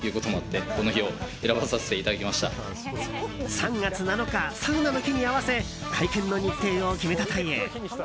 ３月７日、サウナの日に合わせ会見の日程を決めたという。